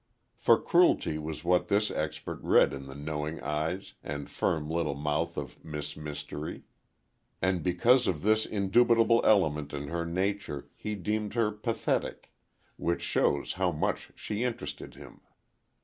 For cruelty was what this expert read in the knowing eyes and firm little mouth of Miss Mystery. And because of this indubitable element in her nature, he deemed her pathetic. Which shows how much she interested him.